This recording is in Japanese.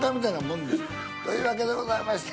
「というわけでございまして」